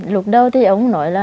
lúc đầu thì ông nói là